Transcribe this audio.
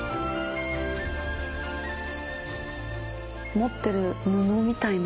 持ってる布みたいな。